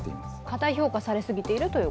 過大評価されすぎていると。